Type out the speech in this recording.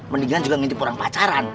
mendingan juga ngintip orang pacaran